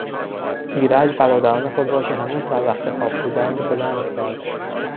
ایرج برادران خود را که هنوز در رختخواب بودند بلند کرد.